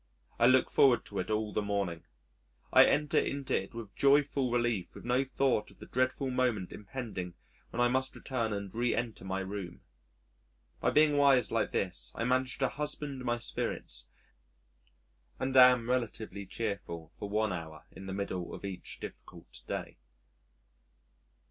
I look forward to it all the morning, I enter into it with joyful relief with no thought of the dreadful moment impending when I must return and re enter my room. By being wise like this, I manage to husband my spirits and am relatively cheerful for one hour in the middle of each difficult day.